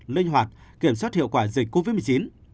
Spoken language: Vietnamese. linh hoạt kiểm soát hiệu quả dịch covid một mươi chín